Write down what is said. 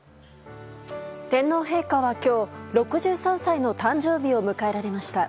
天皇陛下は今日６３歳の誕生日を迎えられました。